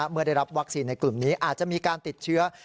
เมื่อได้รับวัคซีนในกลุ่มนี้อาจจะมีการติดเชื้อ